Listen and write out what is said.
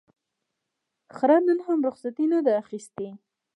خره نن هم رخصتي نه ده اخیستې.